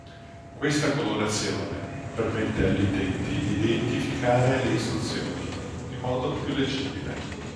Questa colorazione permette agli utenti di identificare le istruzioni in modo più leggibile.